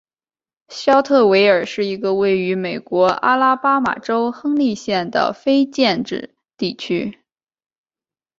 肖特维尔是一个位于美国阿拉巴马州亨利县的非建制地区。